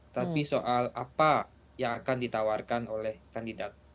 tapi soal apa yang akan ditawarkan oleh kandidat